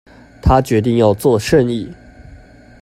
他決定要做生意